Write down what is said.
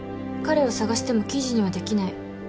彼を捜しても記事にはできない。